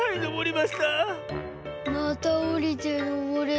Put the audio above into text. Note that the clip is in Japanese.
またおりてのぼれ。